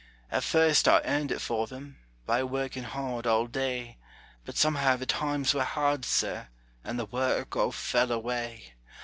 At first I earned it for them By working hard all day, But somehow the times were hard, sir, And the work all fell away.